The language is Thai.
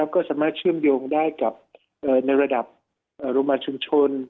ก็สามารถเชื่อมโยงได้กับในระดับโรงพยาบาลชุมชน